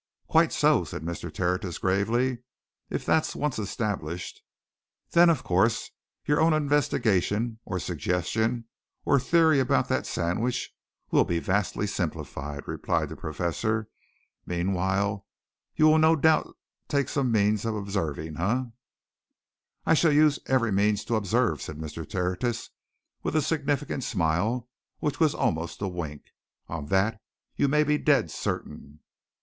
"Quite so," said Mr. Tertius gravely. "If that's once established " "Then, of course, your own investigation, or suggestion, or theory about that sandwich will be vastly simplified," replied the Professor. "Meanwhile, you will no doubt take some means of observing eh?" "I shall use every means to observe," said Mr. Tertius with a significant smile, which was almost a wink. "Of that you may be dead certain!"